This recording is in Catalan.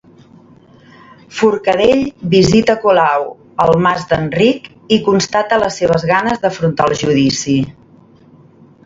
Forcadell visita Colau al Mas d'Enric i constata les seves ganes d'afrontar el judici.